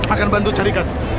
akan bantu cari kan